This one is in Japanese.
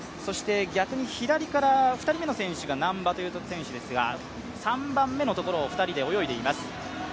逆に左から２人目が難波という選手ですが、３番目のところを２人で泳いでいます。